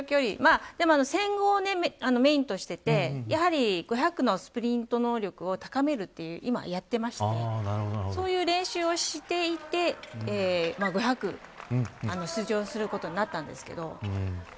でも１５００をメインにしていてやはり５００のスプリント能力を高めるということは今やっていてそういう練習をしていて５００に出場することになったんですけど。